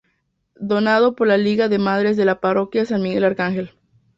Donado por la Liga de Madres de la Parroquia San Miguel Arcángel.